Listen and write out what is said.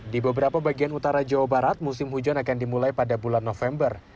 di beberapa bagian utara jawa barat musim hujan akan dimulai pada bulan november